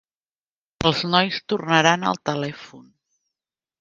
Els nois tornaran al telèfon.